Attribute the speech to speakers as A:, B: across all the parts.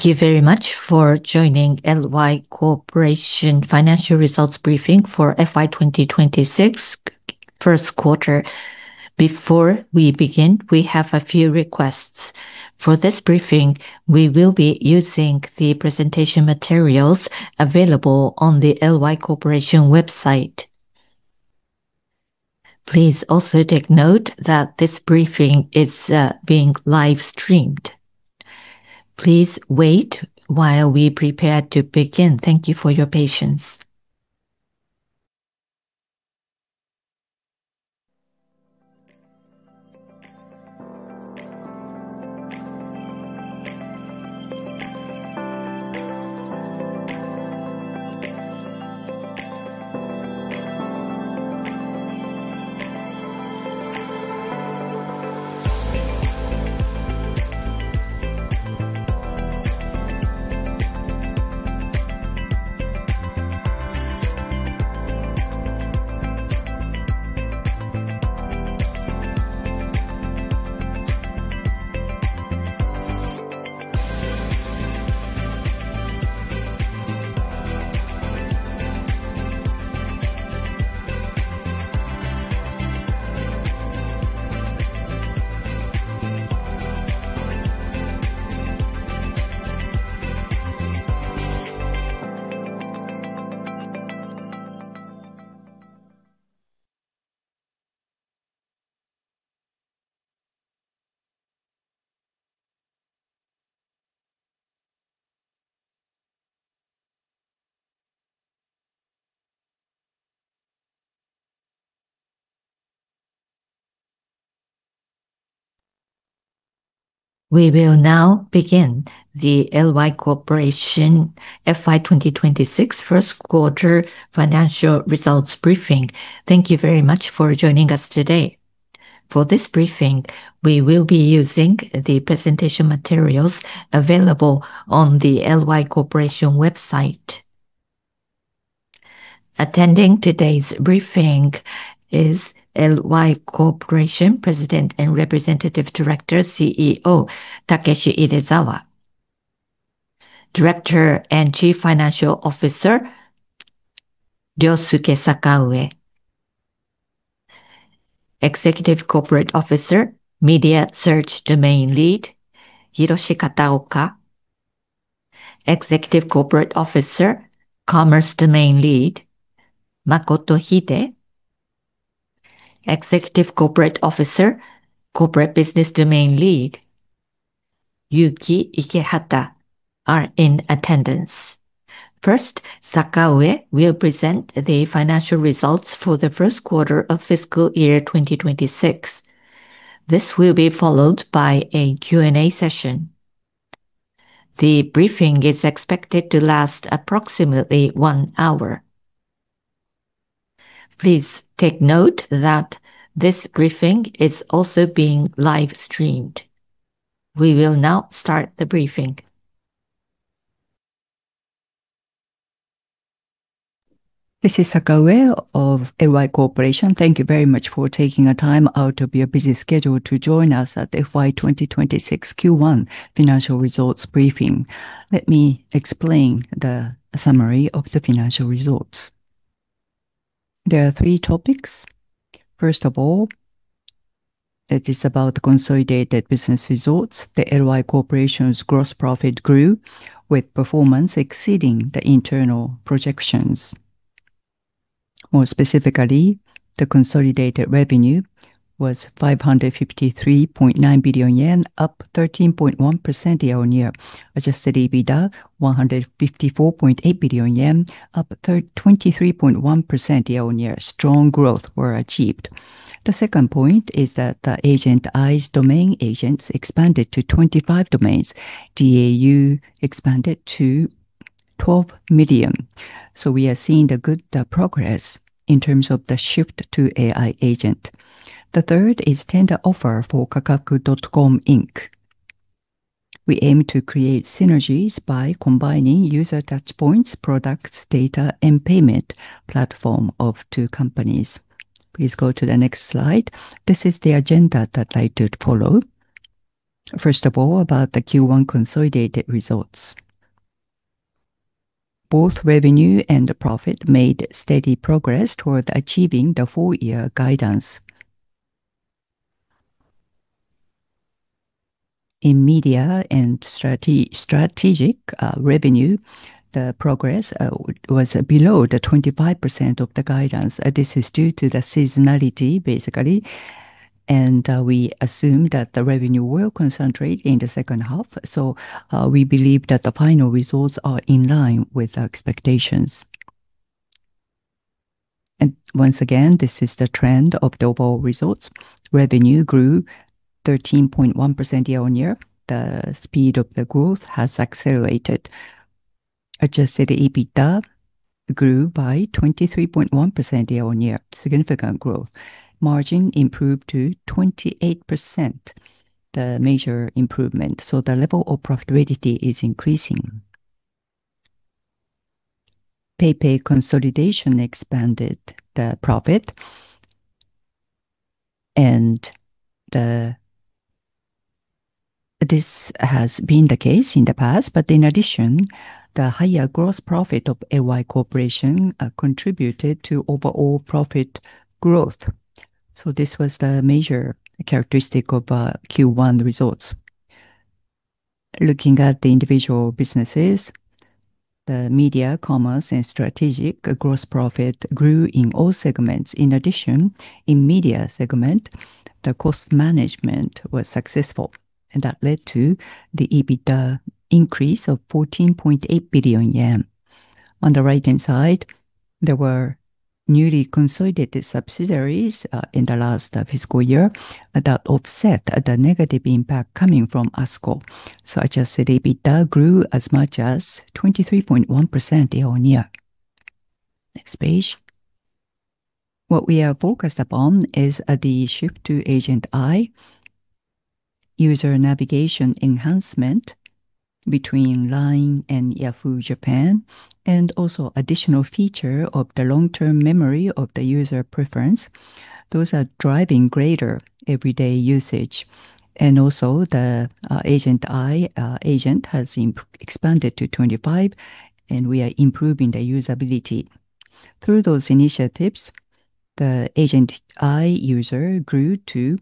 A: Thank you very much for joining LY Corporation financial results briefing for FY 2026 first quarter. Before we begin, we have a few requests. For this briefing, we will be using the presentation materials available on the LY Corporation website. Please also take note that this briefing is being live-streamed. Please wait while we prepare to begin. Thank you for your patience. We will now begin the LY Corporation FY 2026 first quarter financial results briefing. Thank you very much for joining us today. For this briefing, we will be using the presentation materials available on the LY Corporation website. Attending today's briefing is LY Corporation President and Representative Director, CEO, Takeshi Idezawa. Director and Chief Financial Officer, Ryosuke Sakaue. Executive Corporate Officer, Media Search Domain Lead, Hiroshi Kataoka. Executive Corporate Officer, Commerce Domain Lead, Makoto Hide. Executive Corporate Officer, Corporate Business Domain Lead, Yuki Ikehata, are in attendance. First, Sakaue will present the financial results for the first quarter of fiscal year 2026. This will be followed by a Q&A session. The briefing is expected to last approximately one hour. Please take note that this briefing is also being live-streamed. We will now start the briefing.
B: This is Sakaue of LY Corporation. Thank you very much for taking the time out of your busy schedule to join us at FY 2026 Q1 financial results briefing. Let me explain the summary of the financial results. There are three topics. First of all, it is about consolidated business results. The LY Corporation's gross profit grew with performance exceeding the internal projections. More specifically, the consolidated revenue was 553.9 billion yen, up 13.1% year-on-year. Adjusted EBITDA 154.8 billion yen, up 23.1% year-on-year. Strong growth were achieved. The second point is that the Agent i's domain agents expanded to 25 domains. DAU expanded to 12 million. We are seeing good progress in terms of the shift to AI agent. The third is tender offer for Kakaku.com, Inc.. We aim to create synergies by combining user touchpoints, products, data, and payment platform of two companies. Please go to the next slide. This is the agenda that I would follow. First of all, about the Q1 consolidated results. Both revenue and profit made steady progress toward achieving the full-year guidance. In media and strategic revenue, the progress was below the 25% of the guidance. This is due to the seasonality, basically, and we assume that the revenue will concentrate in the second half. We believe that the final results are in line with our expectations. Once again, this is the trend of the overall results. Revenue grew 13.1% year-on-year. The speed of the growth has accelerated. Adjusted EBITDA grew by 23.1% year-on-year. Significant growth. Margin improved to 28%, the major improvement. The level of profitability is increasing. PayPay consolidation expanded the profit, and this has been the case in the past. In addition, the higher gross profit of LY Corporation contributed to overall profit growth. This was the major characteristic of Q1 results. Looking at the individual businesses, the media, commerce, and strategic gross profit grew in all segments. In addition, in media segment, the cost management was successful and that led to the EBITDA increase of 14.8 billion yen. On the right-hand side, there were newly consolidated subsidiaries in the last fiscal year that offset the negative impact coming from ASKUL. Adjusted EBITDA grew as much as 23.1% year-over-year. Next page. What we are focused upon is the shift to Agent i, user navigation enhancement between LINE and Yahoo! JAPAN, and also additional feature of the long-term memory of the user preference. Those are driving greater everyday usage. Also the Agent i agent has expanded to 25, and we are improving the usability. Through those initiatives, the Agent i user grew to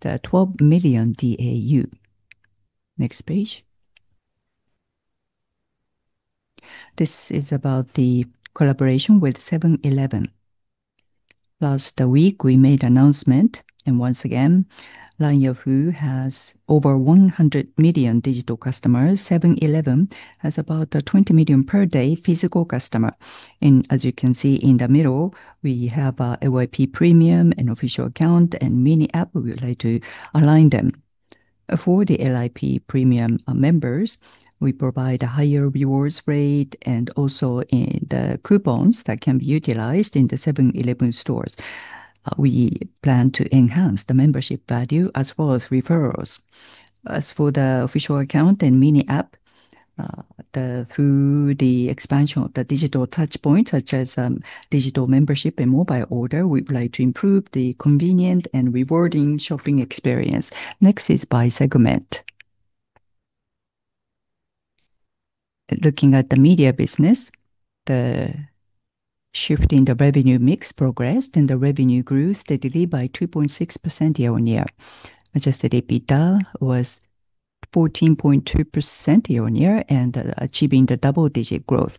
B: 12 million DAU. Next page. This is about the collaboration with 7-Eleven. Last week we made announcement, once again, LY Corporation has over 100 million digital customers. 7-Eleven has about 20 million per day physical customer. As you can see in the middle, we have LYP Premium and Official Account and Mini App. We would like to align them. For the LYP Premium members, we provide a higher rewards rate and also the coupons that can be utilized in the 7-Eleven stores. We plan to enhance the membership value as well as referrals. As for the Official Account and Mini App, through the expansion of the digital touchpoints, such as digital membership and mobile order, we would like to improve the convenient and rewarding shopping experience. Next is by segment. Looking at the media business, the shift in the revenue mix progressed. The revenue grew steadily by 2.6% year-on-year. Adjusted EBITDA was 14.2% year-on-year and achieving the double-digit growth.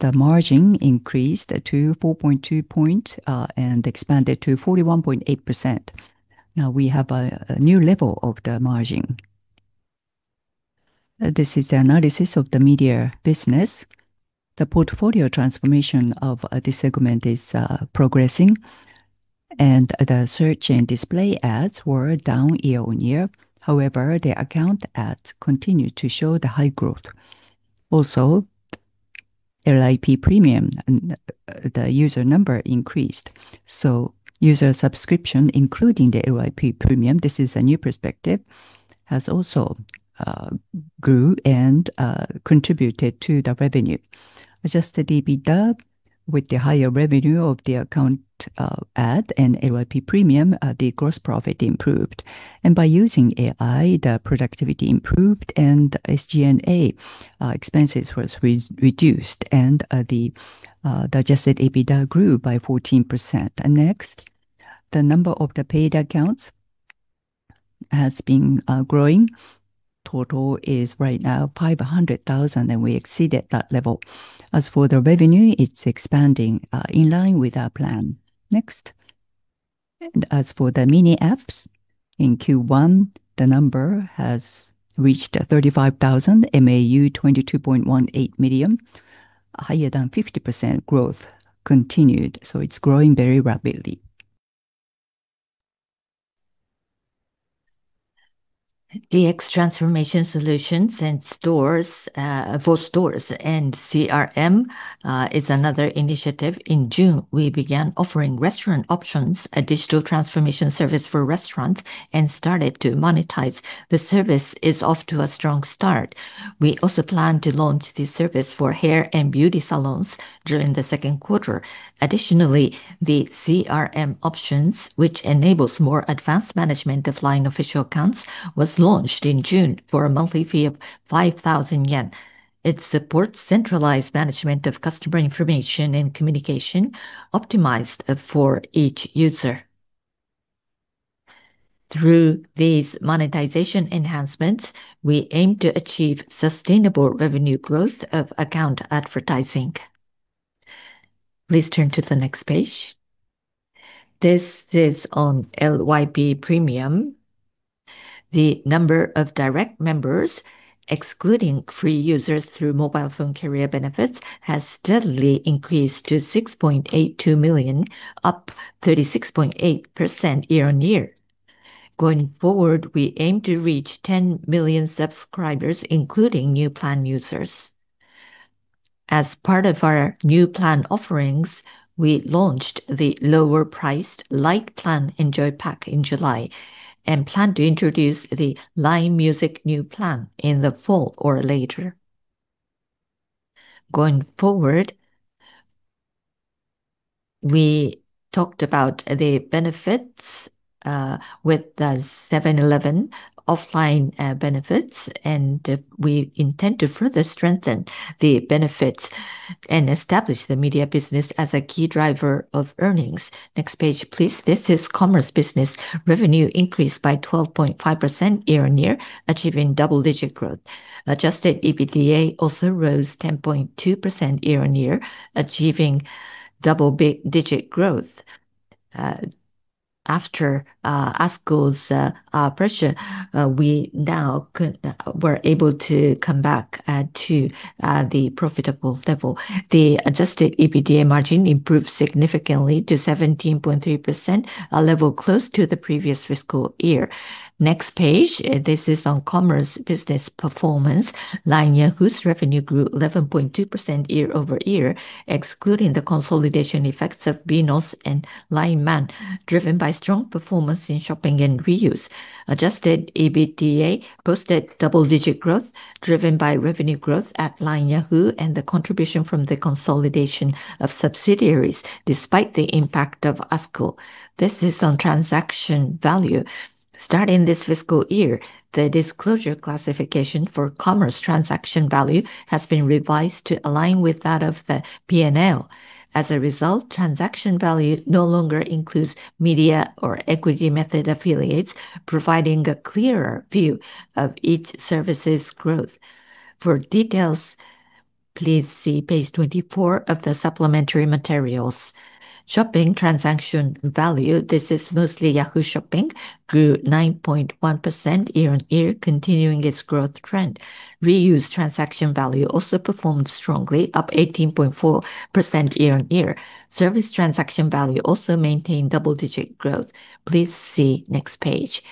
B: The margin increased to 4.2 point and expanded to 41.8%. Now we have a new level of the margin. This is the analysis of the media business. The portfolio transformation of this segment is progressing. The search and display ads were down year-on-year. However, the account ads continued to show the high growth. Also, LYP Premium, the user number increased. User subscription, including the LYP Premium, this is a new perspective, has also grew and contributed to the revenue. Adjusted EBITDA with the higher revenue of the account ad and LYP Premium, the gross profit improved. By using AI, the productivity improved, the SG&A expenses was reduced, and the adjusted EBITDA grew by 14%. Next, the number of the paid accounts has been growing. Total is right now 500,000. We exceeded that level. As for the revenue, it's expanding in line with our plan. Next. As for the Mini Apps, in Q1, the number has reached 35,000 MAU and 22.18 million, higher than 50% growth continued. It's growing very rapidly. DX transformation solutions and stores, for stores and CRM is another initiative. In June, we began offering restaurant options, a digital transformation service for restaurants, and started to monetize. The service is off to a strong start. We also plan to launch this service for hair and beauty salons during the second quarter. Additionally, the CRM options, which enables more advanced management of LINE Official Accounts, was launched in June for a monthly fee of 5,000 yen. It supports centralized management of customer information and communication optimized for each user. Through these monetization enhancements, we aim to achieve sustainable revenue growth of account advertising. Please turn to the next page. This is on LYP Premium. The number of direct members, excluding free users through mobile phone carrier benefits, has steadily increased to 6.82 million, up 36.8% year-on-year. Going forward, we aim to reach 10 million subscribers, including new plan users. As part of our new plan offerings, we launched the lower priced Lite Plan Enjoy Pack in July and plan to introduce the LINE MUSIC new plan in the fall or later Going forward, we talked about the benefits with the 7-Eleven offline benefits. We intend to further strengthen the benefits and establish the media business as a key driver of earnings. Next page, please. This is commerce business. Revenue increased by 12.5% year-on-year, achieving double-digit growth. Adjusted EBITDA also rose 10.2% year-on-year, achieving double-digit growth. After ASKUL's pressure, we now were able to come back to the profitable level. The adjusted EBITDA margin improved significantly to 17.3%, a level close to the previous fiscal year. Next page. This is on commerce business performance. LINE Yahoo's revenue grew 11.2% year-over-year, excluding the consolidation effects of BEENOS and LINE MAN, driven by strong performance in shopping and reuse. Adjusted EBITDA posted double-digit growth driven by revenue growth at LINE Yahoo and the contribution from the consolidation of subsidiaries, despite the impact of ASKUL. This is on transaction value. Starting this fiscal year, the disclosure classification for commerce transaction value has been revised to align with that of the P&L. As a result, transaction value no longer includes media or equity method affiliates, providing a clearer view of each service's growth. For details, please see page 24 of the supplementary materials. Shopping transaction value, this is mostly Yahoo! Shopping, grew 9.1% year-on-year, continuing its growth trend. Reuse transaction value also performed strongly, up 18.4% year-on-year. Service transaction value also maintained double-digit growth. Please see next page.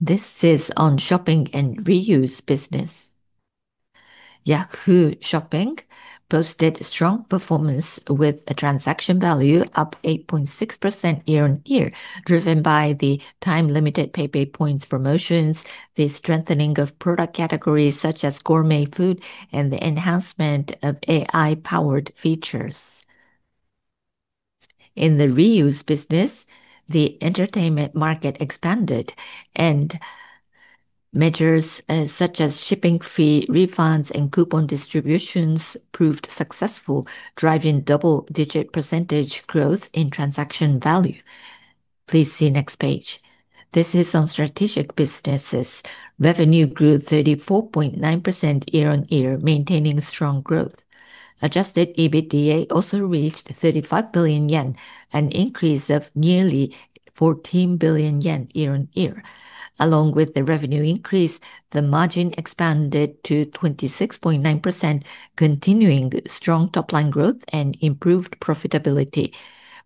B: This is on shopping and reuse business. Yahoo! Shopping posted strong performance with a transaction value up 8.6% year-on-year, driven by the time-limited PayPay points promotions, the strengthening of product categories such as gourmet food, and the enhancement of AI-powered features. In the reuse business, the entertainment market expanded. Measures such as shipping fee refunds and coupon distributions proved successful, driving double-digit percentage growth in transaction value. Please see next page. This is on strategic businesses. Revenue grew 34.9% year-on-year, maintaining strong growth. Adjusted EBITDA also reached 35 billion yen, an increase of nearly 14 billion yen year-on-year. Along with the revenue increase, the margin expanded to 26.9%, continuing strong top-line growth and improved profitability.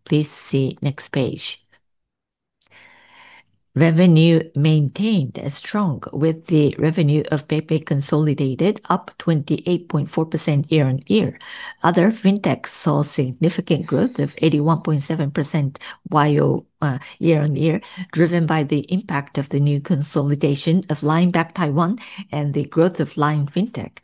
B: Please see next page. Revenue maintained strong with the revenue of PayPay consolidated up 28.4% year-on-year. Other fintech saw significant growth of 81.7% year-on-year, driven by the impact of the new consolidation of LINE Bank Taiwan and the growth of LINE Fintech.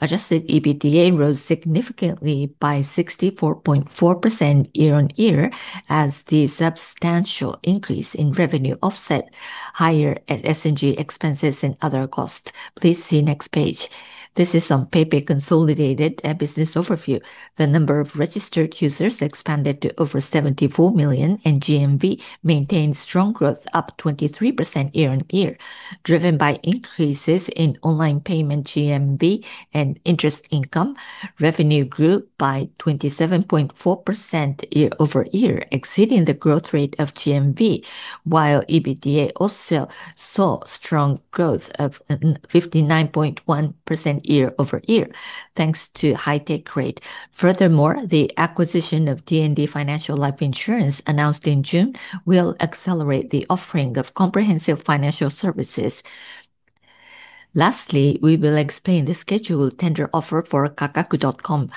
B: Adjusted EBITDA rose significantly by 64.4% year-on-year as the substantial increase in revenue offset higher SG&A expenses and other costs. Please see next page. This is on PayPay Consolidated business overview. The number of registered users expanded to over 74 million, and GMV maintained strong growth, up 23% year-on-year. Driven by increases in online payment GMV and interest income, revenue grew by 27.4% year-over-year, exceeding the growth rate of GMV, while EBITDA also saw strong growth of 59.1% year-over-year, thanks to high take rate. Furthermore, the acquisition of T&D Financial Life Insurance announced in June will accelerate the offering of comprehensive financial services. Lastly, we will explain the scheduled tender offer for Kakaku.com.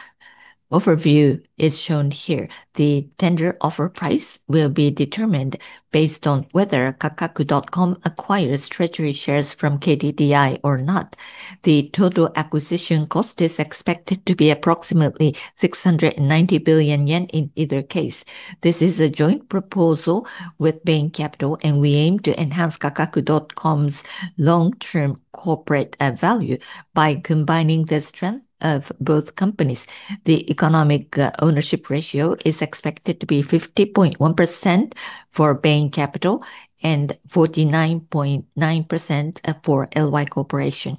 B: Overview is shown here. The tender offer price will be determined based on whether Kakaku.com acquires treasury shares from KDDI or not. The total acquisition cost is expected to be approximately 690 billion yen in either case. This is a joint proposal with Bain Capital, and we aim to enhance Kakaku.com's long-term corporate value by combining the strength of both companies. The economic ownership ratio is expected to be 50.1% for Bain Capital and 49.9% for LY Corporation.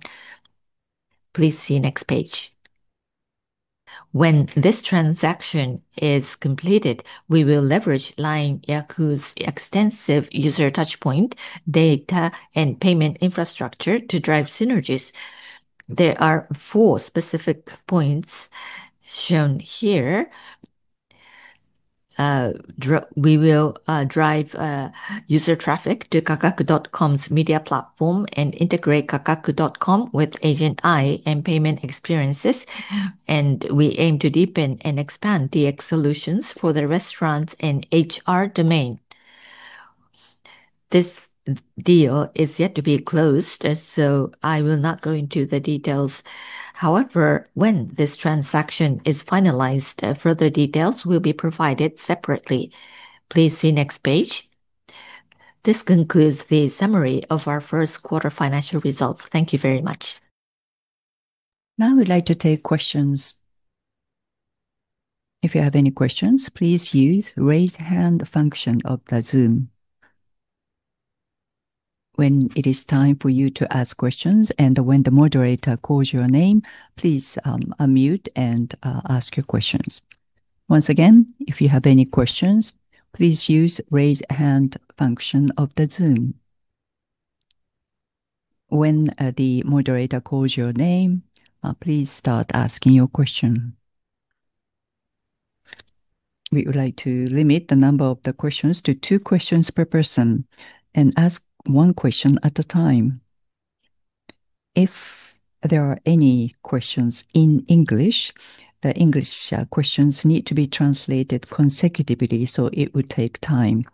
B: Please see next page. When this transaction is completed, we will leverage LINE Yahoo's extensive user touchpoint data and payment infrastructure to drive synergies. There are four specific points shown here. We will drive user traffic to Kakaku.com's media platform and integrate Kakaku.com with Agent i and payment experiences. We aim to deepen and expand DX solutions for the restaurants and HR domain. This deal is yet to be closed, so I will not go into the details. However, when this transaction is finalized, further details will be provided separately. Please see next page. This concludes the summary of our first quarter financial results. Thank you very much. Now, I would like to take questions.
A: If you have any questions, please use raise hand function of the Zoom. When it is time for you to ask questions and when the moderator calls your name, please unmute and ask your questions. Once again, if you have any questions, please use raise hand function of the Zoom. When the moderator calls your name, please start asking your question. We would like to limit the number of the questions to two questions per person and ask one question at a time. If there are any questions in English, the English questions need to be translated consecutively, so it will take time.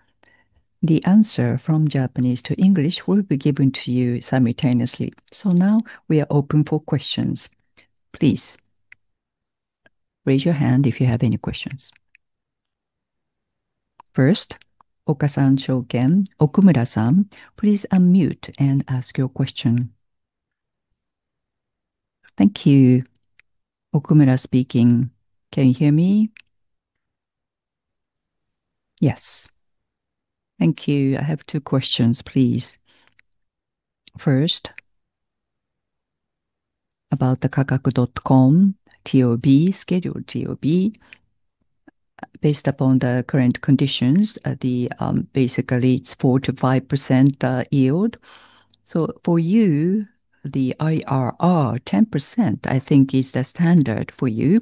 A: The answer from Japanese to English will be given to you simultaneously. Now we are open for questions. Please raise your hand if you have any questions. First, Okasan Shoken. Okumura-san, please unmute and ask your question.
C: Thank you. Okumura speaking. Can you hear me? Yes. Thank you. I have two questions, please. First, about the Kakaku.com scheduled TOB. Based upon the current conditions, basically it's 4%-5% yield. For you, the IRR, 10%, I think is the standard for you.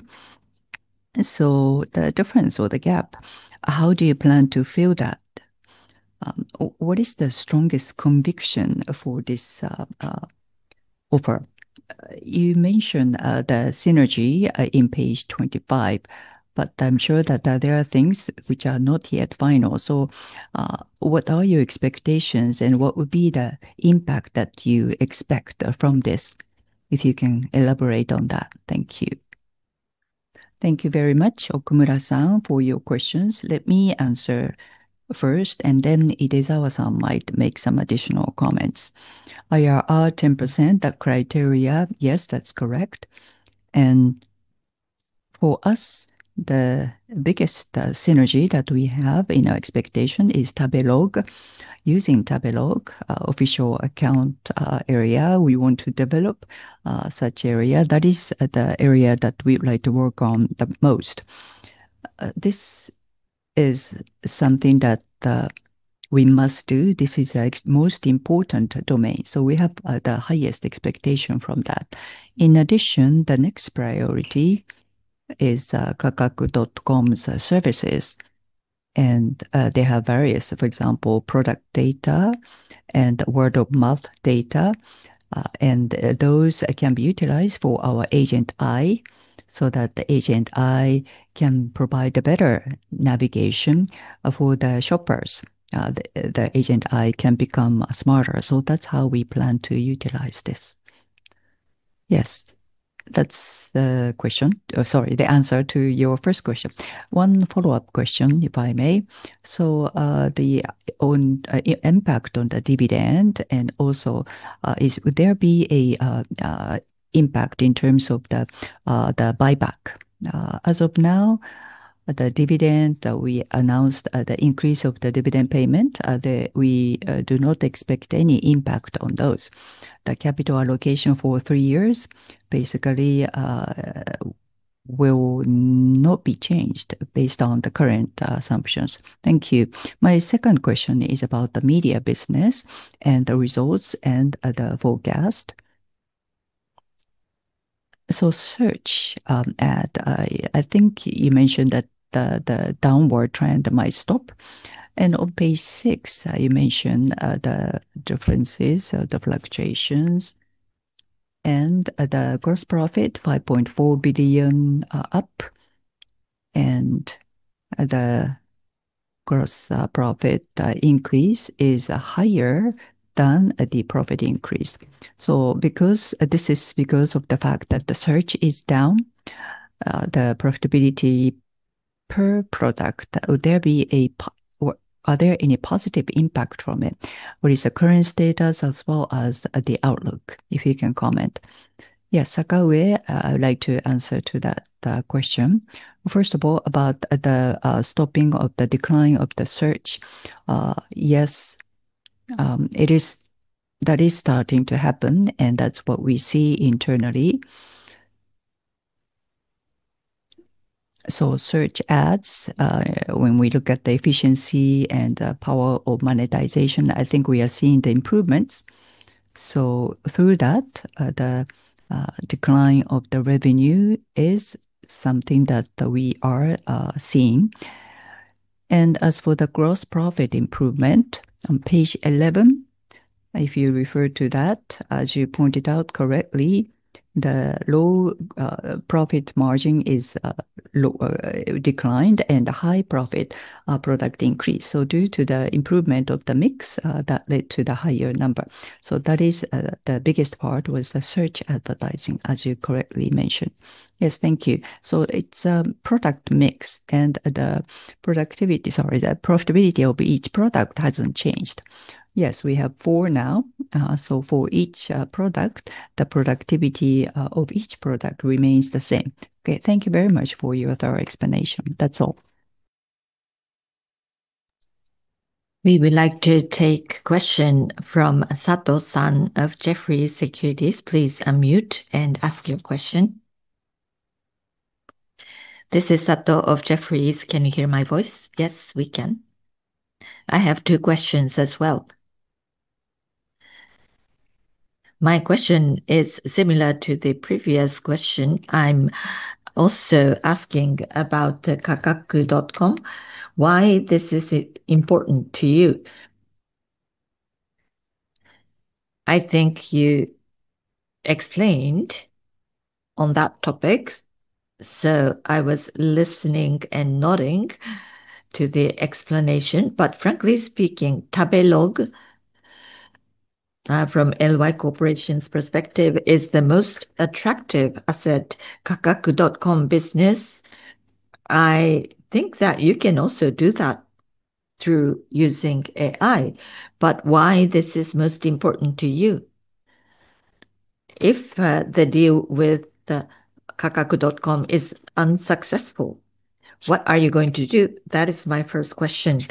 C: The difference or the gap, how do you plan to fill that? What is the strongest conviction for this offer? You mentioned the synergy on page 25, but I'm sure that there are things which are not yet final. What are your expectations and what would be the impact that you expect from this, if you can elaborate on that? Thank you.
B: Thank you very much, Okumura-san, for your questions. Let me answer first and then Idezawa-san might make some additional comments. IRR 10%, that criteria, yes, that's correct. For us, the biggest synergy that we have in our expectation is Tabelog. Using Tabelog official account area, we want to develop such area. That is the area that we would like to work on the most. This is something that we must do. This is the most important domain. We have the highest expectation from that. In addition, the next priority is Kakaku.com's services, and they have various. For example, product data and word-of-mouth data, those can be utilized for our Agent i, so that the Agent i can provide a better navigation for the shoppers. The Agent i can become smarter. That's how we plan to utilize this. Yes. That's the answer to your first question.
C: One follow-up question, if I may. The impact on the dividend and also would there be an impact in terms of the buyback?
B: As of now, the dividend that we announced, the increase of the dividend payment, we do not expect any impact on those. The capital allocation for three years basically will not be changed based on the current assumptions.
C: Thank you. My second question is about the media business and the results and the forecast. Search ad, I think you mentioned that the downward trend might stop, and on page six, you mentioned the differences, the fluctuations, and the gross profit, 5.4 billion up, and the gross profit increase is higher than the profit increase. This is because of the fact that the search is down, the profitability per product, are there any positive impact from it? What is the current status as well as the outlook, if you can comment?
D: Yes, Sakaue, I would like to answer to that question. First of all, about the stopping of the decline of the search. Yes, that is starting to happen and that's what we see internally. Search ads, when we look at the efficiency and power of monetization, I think we are seeing the improvements. Through that, the decline of the revenue is something that we are seeing. As for the gross profit improvement, on page 11- If you refer to that, as you pointed out correctly, the low profit margin declined and the high profit product increased. Due to the improvement of the mix, that led to the higher number. That is the biggest part was the search advertising, as you correctly mentioned.
C: Yes. Thank you. It's a product mix and the productivity, sorry, the profitability of each product hasn't changed.
D: Yes, we have four now. For each product, the productivity of each product remains the same.
C: Okay, thank you very much for your thorough explanation. That's all.
A: We would like to take question from Sato-san of Jefferies Securities. Please unmute and ask your question.
E: This is Sato of Jefferies. Can you hear my voice?
B: Yes, we can.
E: I have two questions as well. My question is similar to the previous question. I'm also asking about the Kakaku.com. Why this is important to you? I think you explained on that topic, so I was listening and nodding to the explanation. Frankly speaking, Tabelog, from LY Corporation's perspective, is the most attractive asset. Kakaku.com business, I think that you can also do that through using AI. Why this is most important to you? If the deal with the Kakaku.com is unsuccessful, what are you going to do? That is my first question.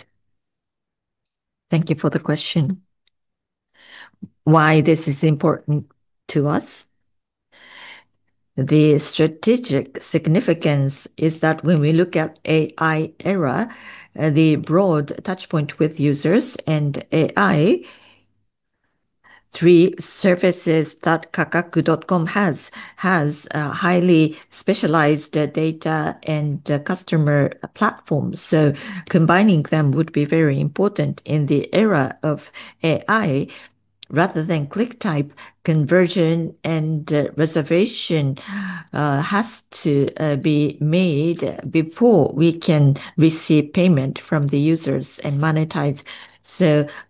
B: Thank you for the question. Why this is important to us? The strategic significance is that when we look at AI era, the broad touchpoint with users and AI, three services that Kakaku.com has highly specialized data and customer platforms. Combining them would be very important in the era of AI. Rather than click type, conversion and reservation has to be made before we can receive payment from the users and monetize.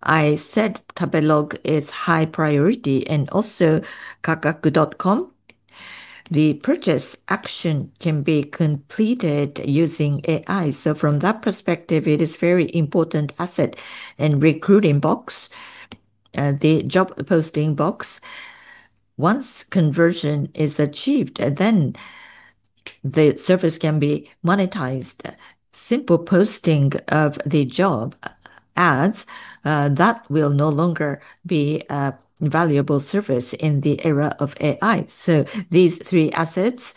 B: I said Tabelog is high priority and also Kakaku.com. The purchase action can be completed using AI. From that perspective, it is very important asset. In Recruiting Box, the job posting box, once conversion is achieved, then the service can be monetized. Simple posting of the job ads, that will no longer be a valuable service in the era of AI. These three assets,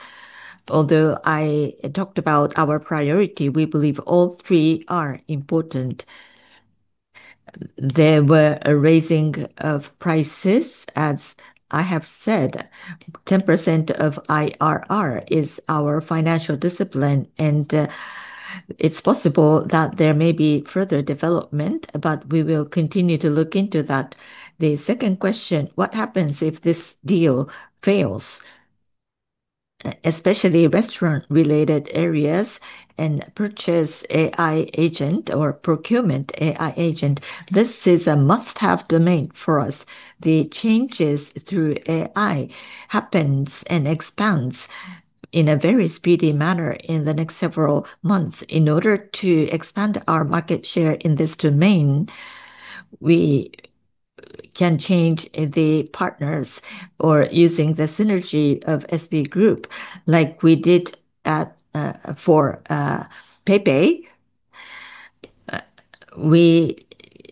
B: although I talked about our priority, we believe all three are important. There were a raising of prices. As I have said, 10% of IRR is our financial discipline, and it's possible that there may be further development, but we will continue to look into that. The second question, what happens if this deal fails? Especially restaurant related areas and purchase AI agent or procurement AI agent, this is a must-have domain for us. The changes through AI happens and expands in a very speedy manner in the next several months. In order to expand our market share in this domain, we can change the partners or using the synergy of SoftBank Group like we did for PayPay. We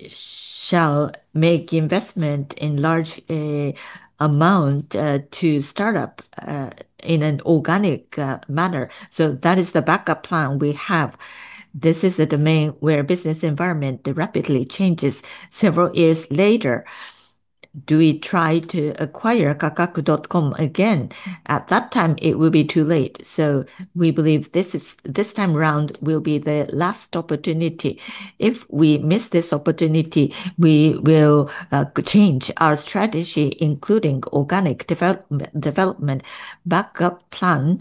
B: shall make investment in large amount to start up in an organic manner. That is the backup plan we have. This is a domain where business environment rapidly changes. Several years later, do we try to acquire Kakaku.com again? At that time, it will be too late. We believe this time around will be the last opportunity. If we miss this opportunity, we will change our strategy, including organic development backup plan.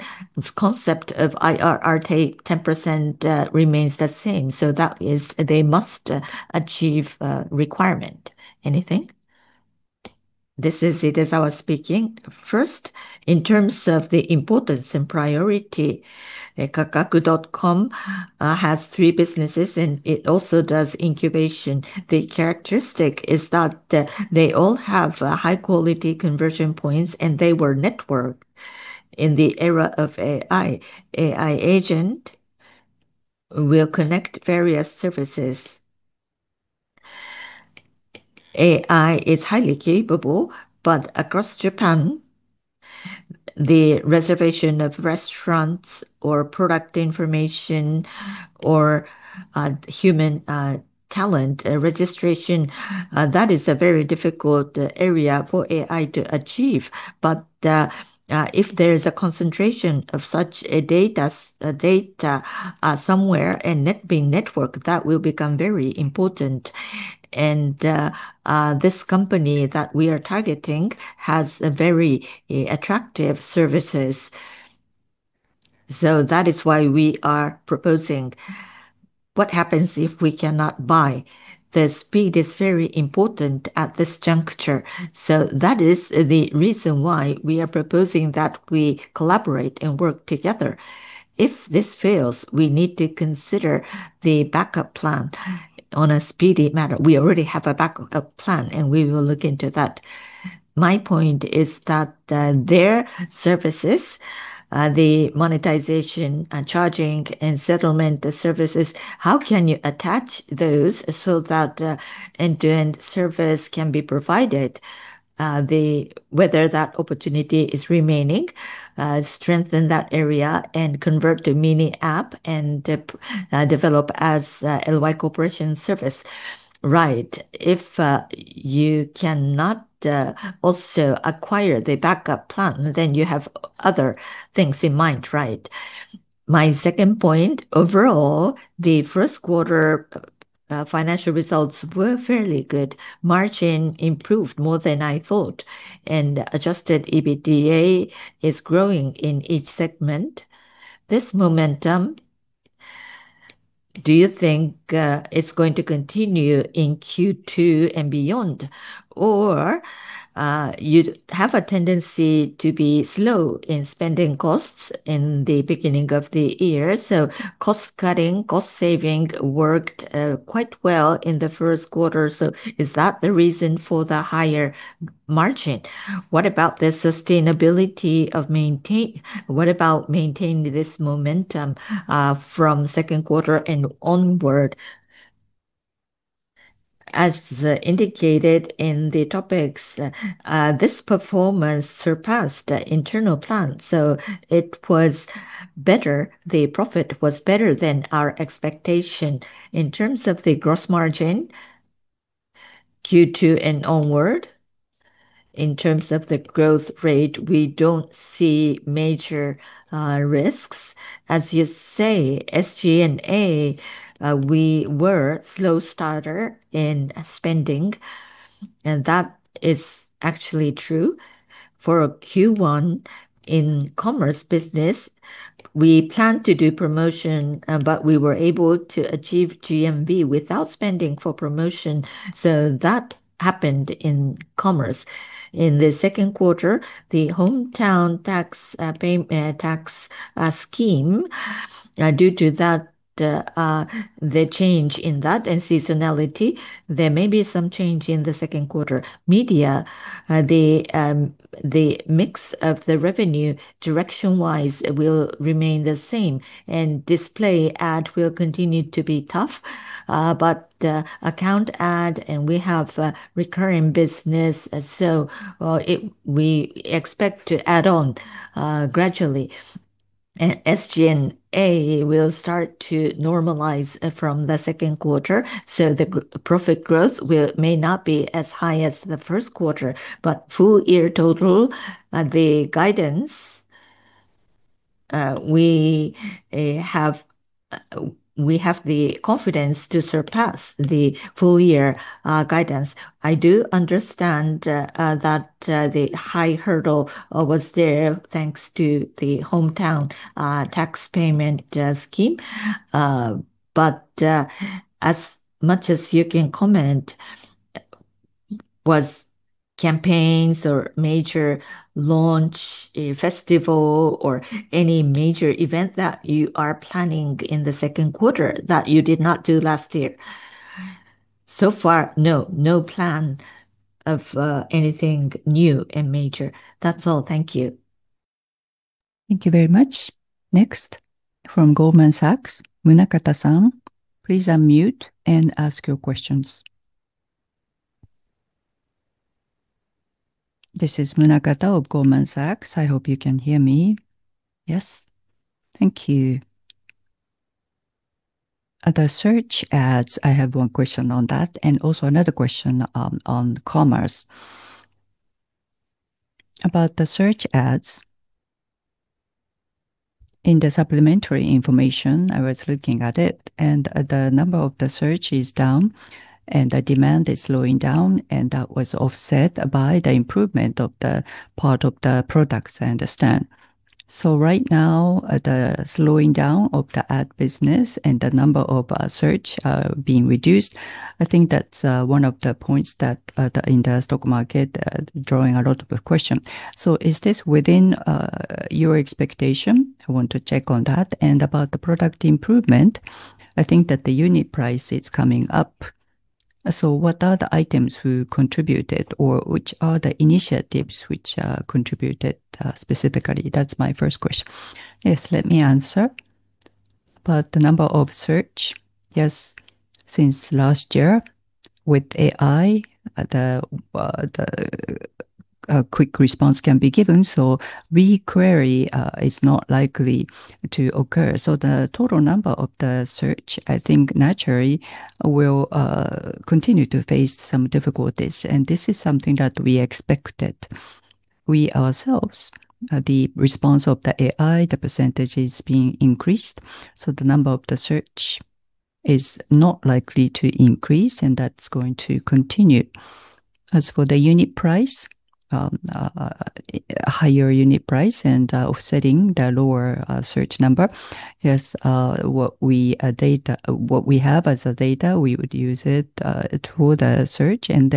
B: Concept of IRR take 10% remains the same. That is the must achieve requirement. Anything?
D: This is Idezawa speaking. First, in terms of the importance and priority, Kakaku.com has three businesses, and it also does incubation. The characteristic is that they all have high quality conversion points, and they were networked in the era of AI. AI agent will connect various services. AI is highly capable, but across Japan, the reservation of restaurants or product information or human talent registration, that is a very difficult area for AI to achieve. If there is a concentration of such a data somewhere and being networked, that will become very important. This company that we are targeting has very attractive services That is why we are proposing what happens if we cannot buy. The speed is very important at this juncture. That is the reason why we are proposing that we collaborate and work together. This fails, we need to consider the backup plan on a speedy matter. We already have a backup plan, and we will look into that.
E: My point is that their services, the monetization and charging and settlement services, how can you attach those so that the end-to-end service can be provided? Whether that opportunity is remaining, strengthen that area and convert to Mini App and develop as LY Corporation service. If you cannot also acquire the backup plan, then you have other things in mind, right? My second point. Overall, the first quarter financial results were fairly good. Margin improved more than I thought, and adjusted EBITDA is growing in each segment. This momentum, do you think it's going to continue in Q2 and beyond? You have a tendency to be slow in spending costs in the beginning of the year. Cost-cutting, cost-saving worked quite well in the first quarter. Is that the reason for the higher margin? What about maintaining this momentum from second quarter and onward?
B: Indicated in the topics, this performance surpassed internal plans, the profit was better than our expectation. In terms of the gross margin, Q2 and onward, in terms of the growth rate, we don't see major risks. As you say, SG&A, we were slow starter in spending, and that is actually true. For Q1 in commerce business, we planned to do promotion, but we were able to achieve GMV without spending for promotion. That happened in commerce. In the second quarter, the hometown tax scheme, due to the change in that and seasonality, there may be some change in the second quarter. Media, the mix of the revenue direction-wise will remain the same, display ad will continue to be tough. Account ad, we have recurring business, we expect to add on gradually. SG&A will start to normalize from the second quarter, the profit growth may not be as high as the first quarter. Full-year total, the guidance, we have the confidence to surpass the full-year guidance.
E: I do understand that the high hurdle was there thanks to the hometown tax payment scheme. As much as you can comment, was campaigns or major launch festival or any major event that you are planning in the second quarter that you did not do last year?
B: So far, no plan of anything new and major. That is all. Thank you.
A: Thank you very much. Next from Goldman Sachs, Munakata-san, please unmute and ask your questions.
F: This is Munakata of Goldman Sachs. I hope you can hear me.
B: Yes.
F: Thank you. The search ads, I have one question on that and also another question on commerce. About the search ads, in the supplementary information, I was looking at it, and the number of the search is down and the demand is slowing down, and that was offset by the improvement of the part of the products, I understand. Right now, the slowing down of the ad business and the number of search being reduced, I think that is one of the points that in the stock market drawing a lot of question. Is this within your expectation? I want to check on that. About the product improvement, I think that the unit price is coming up. What are the items who contributed, or which are the initiatives which contributed specifically? That is my first question.
B: Yes, let me answer. About the number of search, yes, since last year with AI, a quick response can be given, re-query is not likely to occur. The total number of the search, I think naturally will continue to face some difficulties, and this is something that we expected. We ourselves, the response of the AI, the percentage is being increased, the number of the search is not likely to increase, and that is going to continue. As for the unit price, higher unit price and offsetting the lower search number is what we have as the data. We would use it through the search, and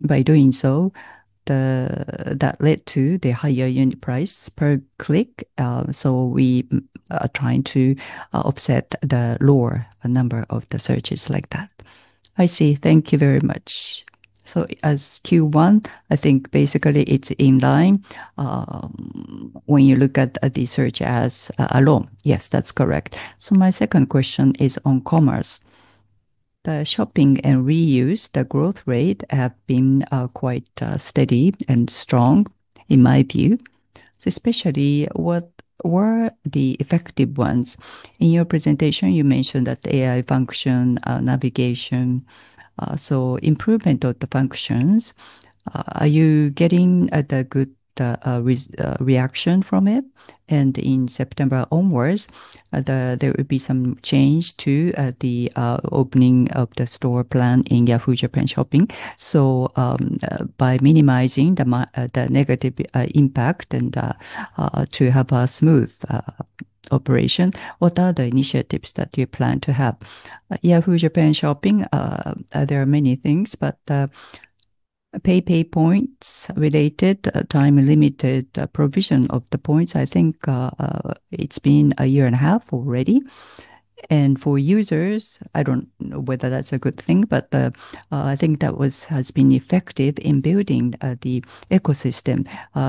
B: by doing so, that led to the higher unit price per click. We are trying to offset the lower number of the searches like that.
F: I see. Thank you very much. As Q1, I think basically it is in line when you look at the search as alone.
B: Yes, that is correct.
F: My second question is on commerce. The shopping and reuse, the growth rate have been quite steady and strong, in my view. Especially what were the effective ones? In your presentation, you mentioned that AI function, navigation, improvement of the functions. Are you getting a good reaction from it? And in September onwards, there would be some change to the opening of the store plan in Yahoo! JAPAN Shopping. By minimizing the negative impact and to have a smooth operation, what are the initiatives that you plan to have?
B: Yahoo! JAPAN Shopping, there are many things, but PayPay points related, time-limited provision of the points, I think it's been a year and a half already. For users, I don't know whether that's a good thing, but I think that has been effective in building the ecosystem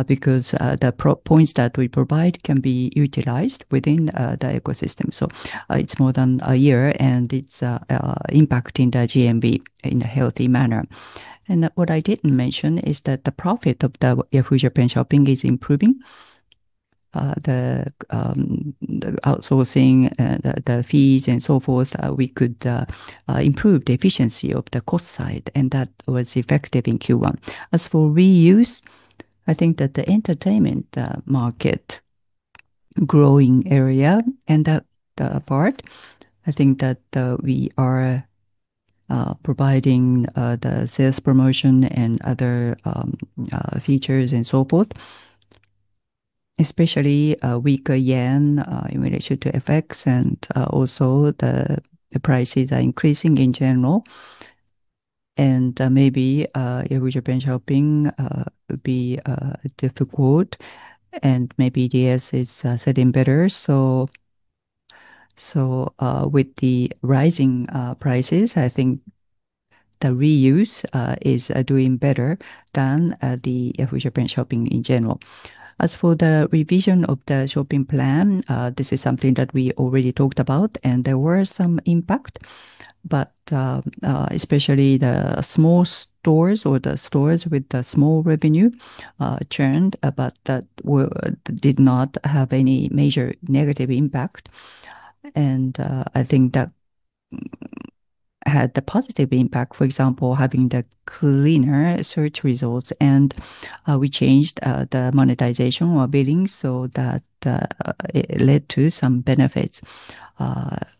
B: because the points that we provide can be utilized within the ecosystem. It's more than a year, and it's impacting the GMV in a healthy manner. What I didn't mention is that the profit of the Yahoo! JAPAN Shopping is improving. The outsourcing, the fees and so forth, we could improve the efficiency of the cost side, and that was effective in Q1. As for reuse, I think that the entertainment market growing area and that part, I think that we are providing the sales promotion and other features and so forth. Especially weaker JPY in relation to FX and also the prices are increasing in general. Maybe Yahoo! JAPAN Shopping would be difficult and maybe DS is selling better. With the rising prices, I think the reuse is doing better than the Yahoo! JAPAN Shopping in general. As for the revision of the shopping plan, this is something that we already talked about, and there were some impact. Especially the small stores or the stores with the small revenue churned, but that did not have any major negative impact. I think that had the positive impact, for example, having the cleaner search results, and we changed the monetization or billing so that it led to some benefits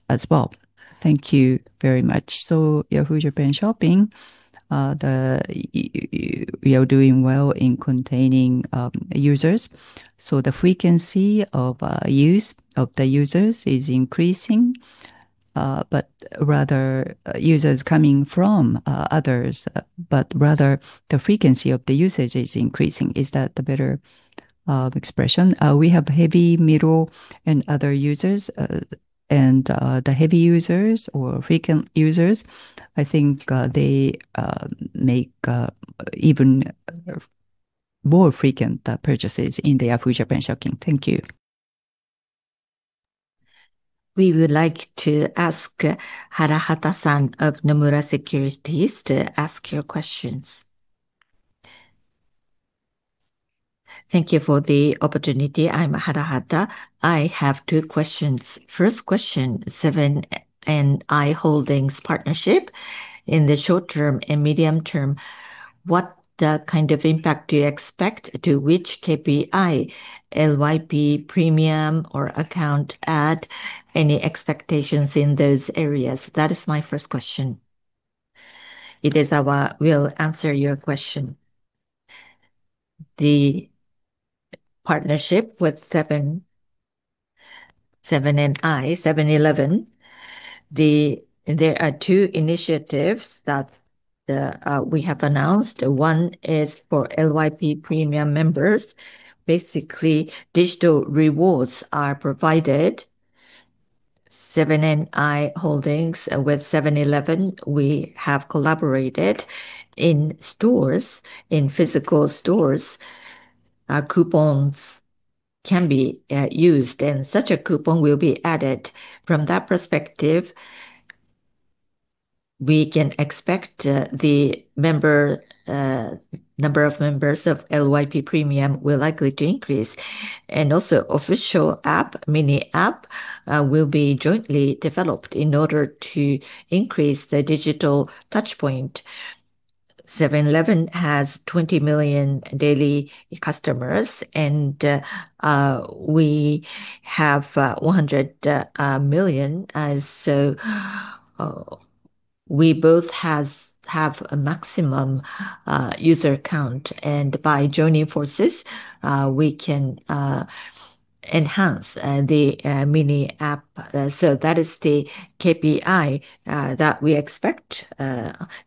B: as well.
F: Thank you very much. Yahoo! JAPAN Shopping, you're doing well in containing users. The frequency of use of the users is increasing, but rather users coming from others, but rather the frequency of the usage is increasing. Is that the better expression?
B: We have heavy, middle, and other users. The heavy users or frequent users, I think they make even more frequent purchases in the Yahoo! JAPAN Shopping.
F: Thank you.
A: We would like to ask Harahata-san of Nomura Securities to ask your questions.
G: Thank you for the opportunity. I'm Harahata. I have two questions. First question, Seven & i Holdings partnership in the short term and medium term. What kind of impact do you expect to which KPI, LYP Premium or account ad? Any expectations in those areas? That is my first question.
B: Idezawa will answer your question.
D: The partnership with Seven & i, 7-Eleven. There are two initiatives that we have announced. One is for LYP Premium members. Basically, digital rewards are provided. Seven & i Holdings with 7-Eleven, we have collaborated in stores, in physical stores. Coupons can be used, and such a coupon will be added. From that perspective, we can expect the number of members of LYP Premium will likely to increase. Official app, Mini app will be jointly developed in order to increase the digital touchpoint. 7-Eleven has 20 million daily customers, and we have 100 million. We both have a maximum user count, and by joining forces, we can enhance the Mini app. That is the KPI that we expect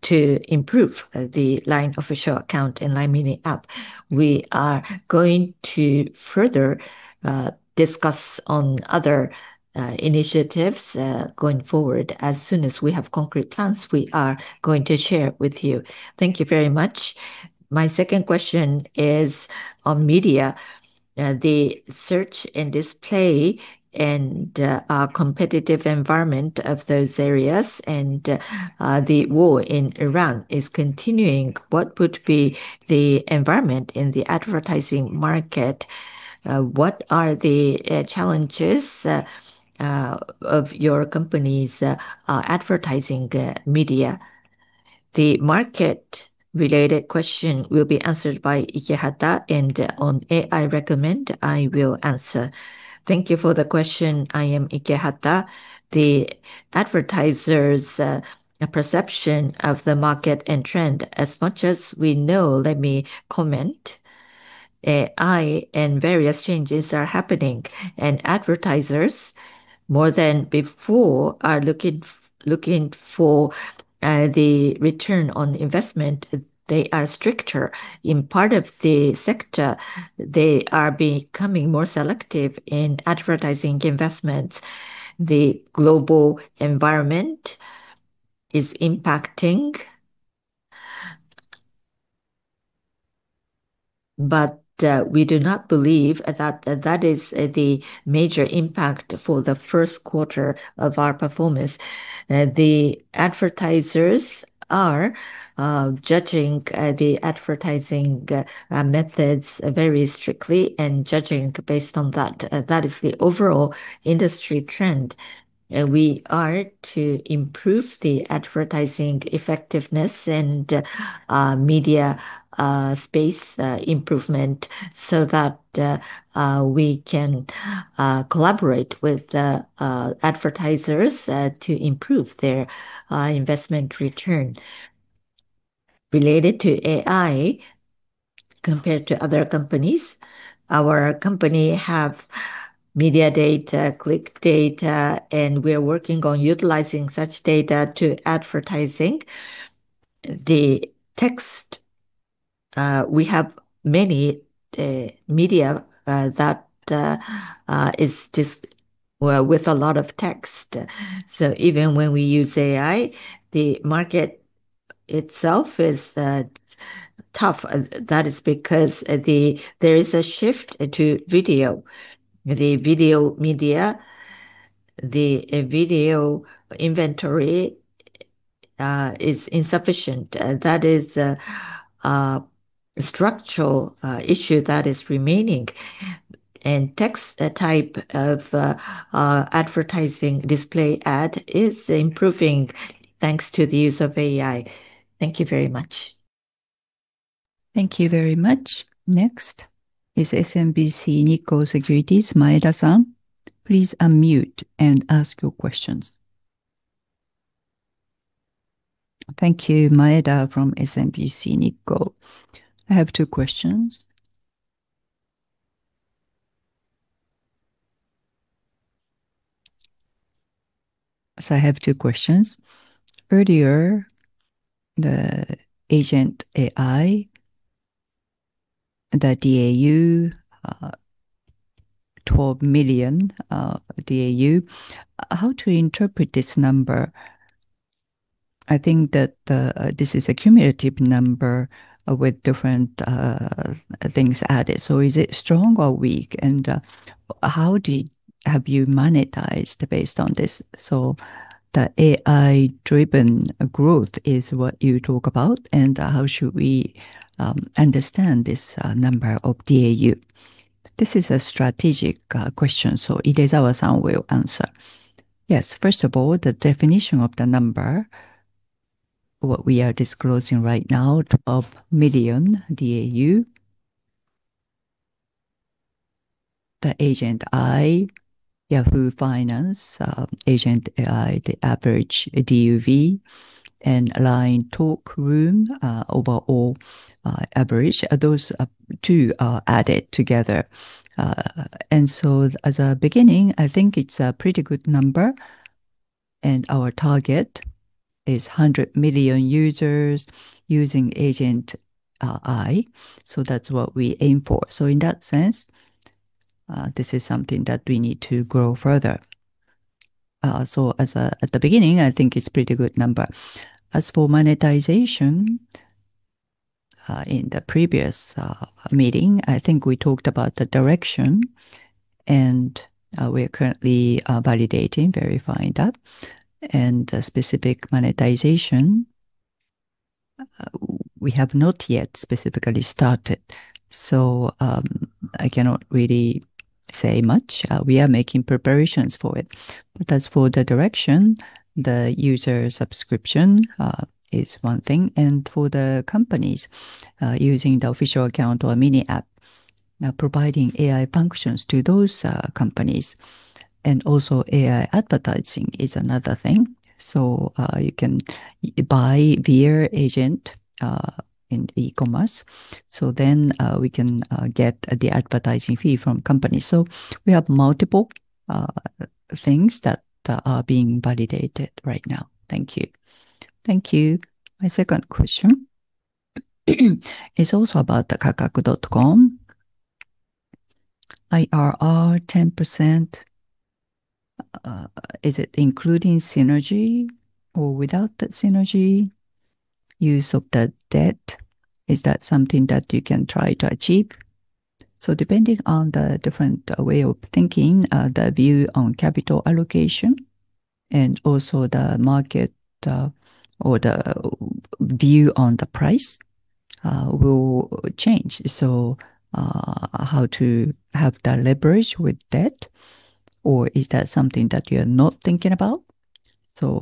D: to improve the LINE Official Account and LINE Mini App. We are going to further discuss on other initiatives going forward. As soon as we have concrete plans, we are going to share with you.
G: Thank you very much. My second question is on media. The search and display and competitive environment of those areas and the war in Ukraine is continuing. What would be the environment in the advertising market? What are the challenges of your company's advertising media?
B: The market related question will be answered by Ikehata, and on AI recommend, I will answer.
H: Thank you for the question. I am Ikehata. The advertisers' perception of the market and trend, as much as we know, let me comment. AI and various changes are happening, and advertisers, more than before, are looking for the return on investment. They are stricter. In part of the sector, they are becoming more selective in advertising investments. The global environment is impacting, but we do not believe that is the major impact for the first quarter of our performance. The advertisers are judging the advertising methods very strictly and judging based on that. That is the overall industry trend. We are to improve the advertising effectiveness and media space improvement so that we can collaborate with advertisers to improve their investment return. Related to AI, compared to other companies, our company have media data, click data, and we are working on utilizing such data to advertising. The text, we have many media that is just with a lot of text. Even when we use AI, the market itself is tough. That is because there is a shift to video. The video media, the video inventory is insufficient. That is a structural issue that is remaining. Text type of advertising display ad is improving thanks to the use of AI.
G: Thank you very much.
A: Thank you very much. Next is SMBC Nikko Securities, Maeda-san. Please unmute and ask your questions.
I: Thank you, Maeda from SMBC Nikko. I have two questions. I have two questions. Earlier, the Agent i, the DAU 12 million DAU. How to interpret this number? I think that this is a cumulative number with different things added. Is it strong or weak? How have you monetized based on this? The AI driven growth is what you talk about and how should we understand this number of DAU?
B: This is a strategic question, Idezawa-san will answer.
D: Yes. First of all, the definition of the number, what we are disclosing right now, 12 million DAU. The Agent i, Yahoo! Finance, Agent i, the average DAU, and LINE Talk Room overall average, those two are added together. As a beginning, I think it's a pretty good number, and our target is 100 million users using Agent i. That's what we aim for. In that sense, this is something that we need to grow further. At the beginning, I think it's pretty good number. As for monetization, in the previous meeting, I think we talked about the direction, and we are currently validating, verifying that. Specific monetization, we have not yet specifically started. I cannot really say much. We are making preparations for it. As for the direction, the user subscription is one thing, and for the companies using the LINE Official Account or LINE Mini App, providing AI functions to those companies and also AI advertising is another thing. You can buy via agent in e-commerce. Then we can get the advertising fee from companies. We have multiple things that are being validated right now. Thank you.
I: Thank you. My second question is also about Kakaku.com. IRR 10%, is it including synergy or without that synergy? Use of the debt, is that something that you can try to achieve? Depending on the different way of thinking, the view on capital allocation, and also the market or the view on the price will change. How to have the leverage with debt or is that something that you're not thinking about?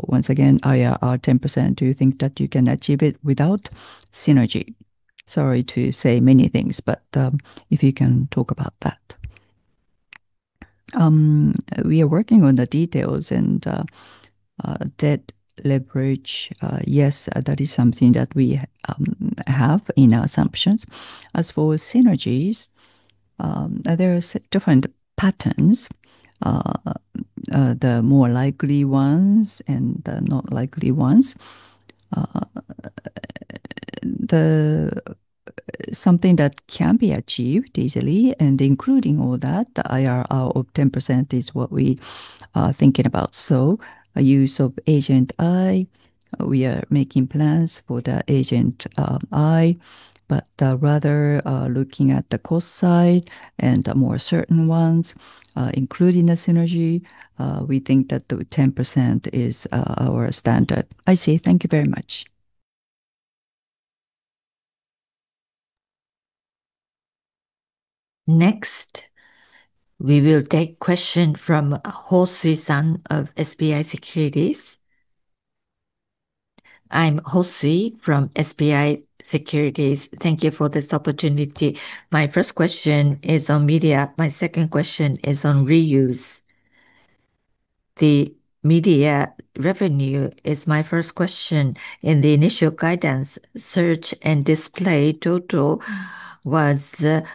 I: Once again, IRR 10%, do you think that you can achieve it without synergy? Sorry to say many things, if you can talk about that.
B: We are working on the details and debt leverage. Yes, that is something that we have in our assumptions. As for synergies, there are different patterns, the more likely ones and the not likely ones. Something that can be achieved easily and including all that, the IRR of 10% is what we are thinking about. A use of Agent i, we are making plans for the Agent i, but rather looking at the cost side and the more certain ones, including the synergy, we think that the 10% is our standard.
I: I see. Thank you very much.
A: Next, we will take a question from Hosoi-san of SBI Securities.
J: I'm Hosoi from SBI Securities. Thank you for this opportunity. My first question is on media. My second question is on reuse. The media revenue is my first question. In the initial guidance, search and display total was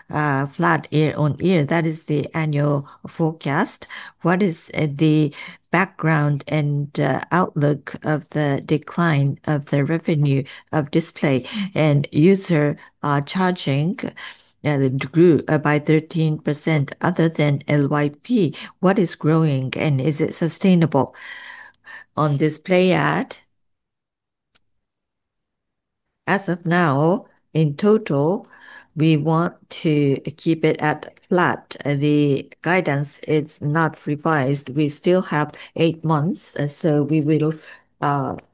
J: flat year-on-year. That is the annual forecast. What is the background and outlook of the decline of the revenue of display and user charging that grew by 13% other than LYP? What is growing and is it sustainable?
B: On display ad, as of now, in total, we want to keep it at flat. The guidance is not revised. We still have eight months, so we will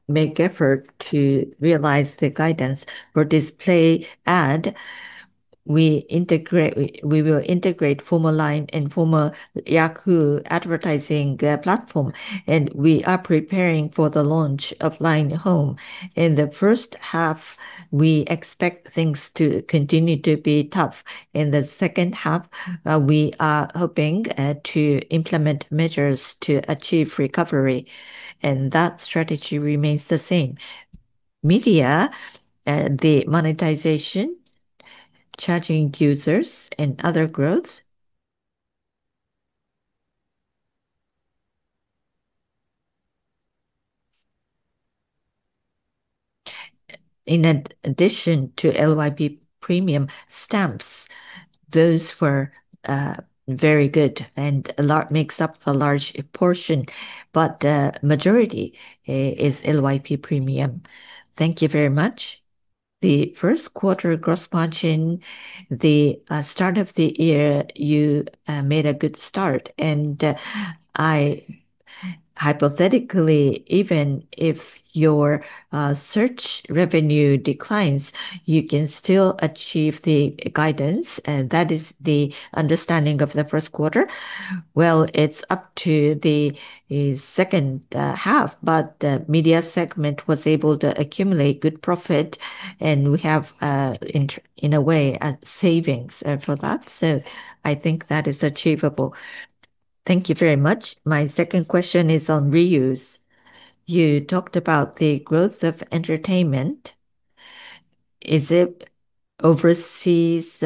B: make effort to realize the guidance. For display ad, we will integrate former LINE and former Yahoo! advertising platform, and we are preparing for the launch of LINE Home. In the first half, we expect things to continue to be tough. In the second half, we are hoping to implement measures to achieve recovery, and that strategy remains the same. Media, the monetization, charging users, and other growth. In addition to LYP Premium stamps, those were very good and makes up a large portion. The majority is LYP Premium.
J: Thank you very much. The first quarter gross margin, the start of the year, you made a good start and hypothetically, even if your search revenue declines, you can still achieve the guidance, and that is the understanding of the first quarter.
B: Well, it's up to the second half, but the media segment was able to accumulate good profit and we have, in a way, a savings for that. I think that is achievable.
J: Thank you very much. My second question is on reuse. You talked about the growth of entertainment. Is it overseas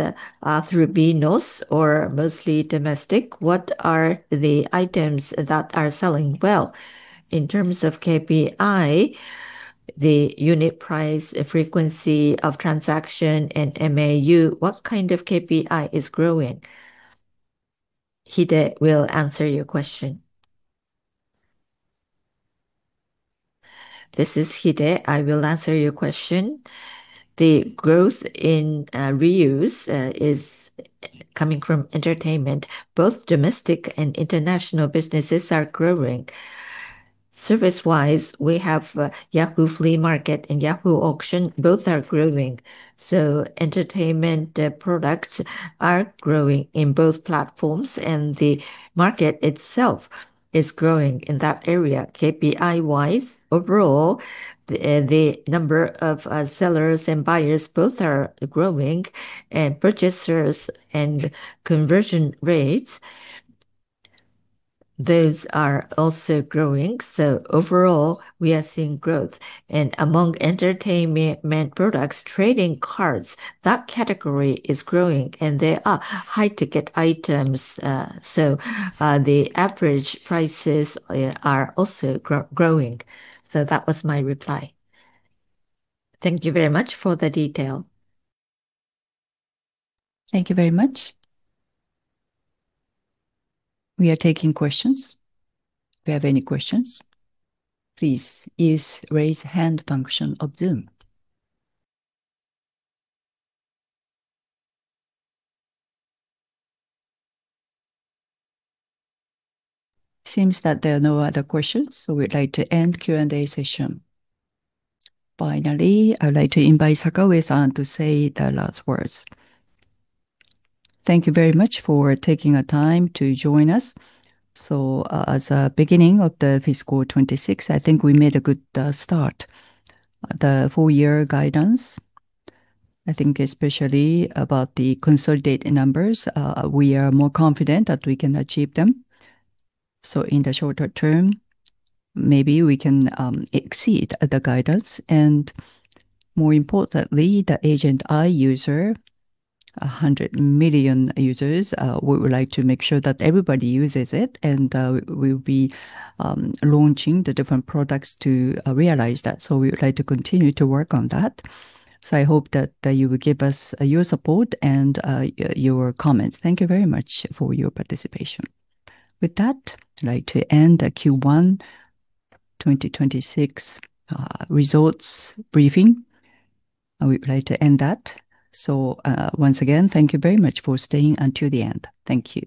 J: through BEENOS or mostly domestic? What are the items that are selling well? In terms of KPI, the unit price, frequency of transaction, and MAU, what kind of KPI is growing?
B: Hide will answer your question.
K: This is Hide. I will answer your question. The growth in reuse is coming from entertainment. Both domestic and international businesses are growing. Service-wise, we have Yahoo! Flea Market and Yahoo! Auctions. Both are growing. Entertainment products are growing in both platforms, and the market itself is growing in that area. KPI-wise, overall, the number of sellers and buyers both are growing, and purchasers and conversion rates, those are also growing. Overall, we are seeing growth. Among entertainment products, trading cards, that category is growing, and they are high-ticket items, the average prices are also growing. That was my reply.
J: Thank you very much for the detail.
A: Thank you very much. We are taking questions. If you have any questions, please use raise hand function of Zoom. Seems that there are no other questions, we'd like to end Q&A session. Finally, I would like to invite Sakaue-san to say the last words.
B: Thank you very much for taking the time to join us. As a beginning of the fiscal 2026, I think we made a good start. The full-year guidance, I think especially about the consolidated numbers, we are more confident that we can achieve them. In the shorter term, maybe we can exceed the guidance. More importantly, the Agent i user, 100 million users, we would like to make sure that everybody uses it, and we'll be launching the different products to realize that. We would like to continue to work on that. I hope that you will give us your support and your comments. Thank you very much for your participation. With that, I'd like to end the Q1 2026 results briefing. We'd like to end that. Once again, thank you very much for staying until the end. Thank you.